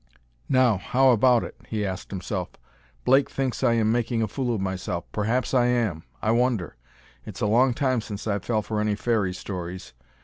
"Now, how about it?" he asked himself. "Blake thinks I am making a fool of myself. Perhaps I am. I wonder. It's a long time since I fell for any fairy stories.